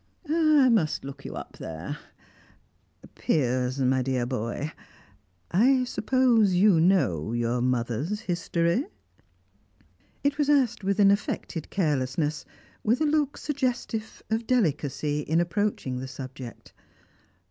"I must look you up there Piers, my dear boy, I suppose you know your mother's history?" It was asked with an affected carelessness, with a look suggestive of delicacy in approaching the subject.